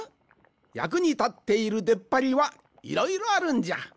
やくにたっているでっぱりはいろいろあるんじゃ。